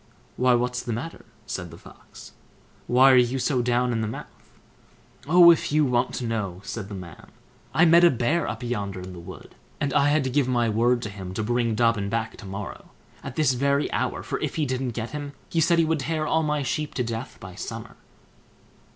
"Why, what's the matter?" said the Fox; "why are you so down in the mouth?" "Oh, if you want to know", said the man; "I met a Bear up yonder in the wood, and I had to give my word to him to bring Dobbin back to morrow, at this very hour; for if he didn't get him, he said he would tear all my sheep to death by summer."